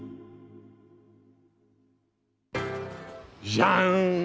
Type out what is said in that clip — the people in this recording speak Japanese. じゃん。